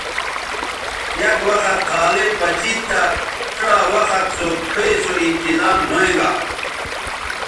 یک وخت تھالئ پڅید تہ ڇا وخت سو کھئ سو انتظام ھویں گا